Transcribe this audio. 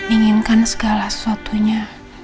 inginkan segala sesuatunya